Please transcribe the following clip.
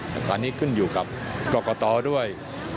แต่คราวนี้ขึ้นอยู่กับกรกตด้วย